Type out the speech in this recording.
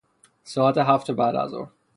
ساعت هفت بعدازظهر